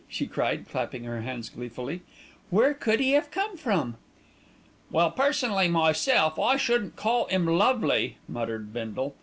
she cried, clapping her hands gleefully. "Where could he have come from?" "Well, personally myself, I shouldn't call 'im lovely," muttered Bindle.